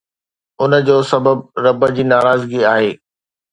ان جو سبب رب جي ناراضگي آهي